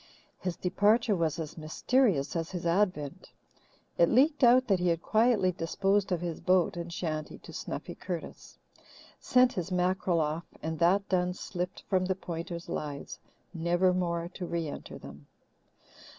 His departure was as mysterious as his advent. It leaked out that he had quietly disposed of his boat and shanty to Snuffy Curtis, sent his mackerel off and, that done, slipped from the Pointers' lives, never more to re enter them.